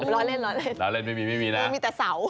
ร้อนเล่นร้อนเล่นร้อนเล่นไม่มีไม่มีแต่เสา